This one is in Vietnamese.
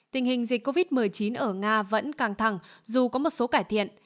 tình hình dịch covid một mươi chín ở nga vẫn căng thẳng dù có một số cải thiện